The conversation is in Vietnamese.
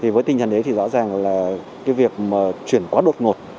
với tình trạng đấy thì rõ ràng là việc chuyển quá đột ngột